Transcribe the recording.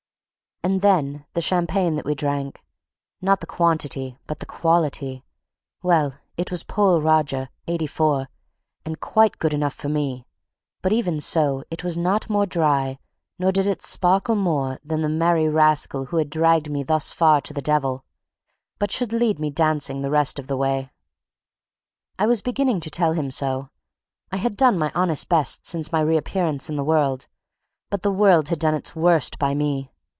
And then the champagne that we drank, not the quantity but the quality! Well, it was Pol Roger, '84, and quite good enough for me; but even so it was not more dry, nor did it sparkle more, than the merry rascal who had dragged me thus far to the devil, but should lead me dancing the rest of the way. I was beginning to tell him so. I had done my honest best since my reappearance in the world; but the world had done its worst by me.